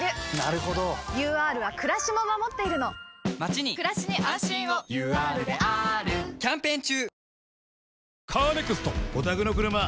ＵＲはくらしも守っているのまちにくらしに安心をＵＲであーるキャンペーン中！